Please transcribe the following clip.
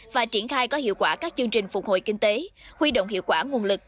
và triển khai có hiệu quả các chương trình phục hồi kinh tế huy động hiệu quả nguồn lực